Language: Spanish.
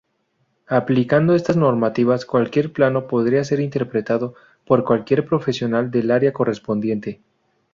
Aplicando estas normativas cualquier plano podrá ser interpretado por cualquier profesional del área correspondiente.